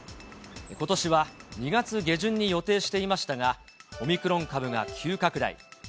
ことしは２月下旬に予定していましたが、オミクロン株が急拡大。